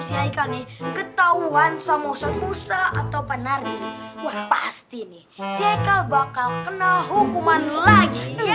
saya kali ketauan sama usah puse atau penari pasti nih saya bakal kena hukuman lagi ya